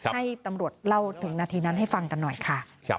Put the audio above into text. ให้ตำรวจเล่าถึงนาทีนั้นให้ฟังกันหน่อยค่ะ